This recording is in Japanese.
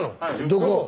どこ？